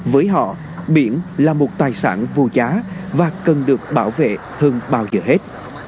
với họ biển là một tài sản vô giá và cần được bảo vệ hơn bao giờ hết